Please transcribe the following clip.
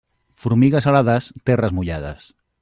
Formigues alades, terres mullades.